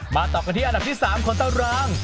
ต่อกันที่อันดับที่๓ของตาราง